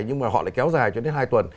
nhưng mà họ lại kéo dài cho đến hai tuần